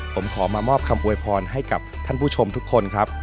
ผมขอมามอบคำอวยพรให้กับท่านผู้ชมทุกคนครับ